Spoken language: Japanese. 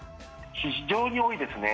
非常に多いですね。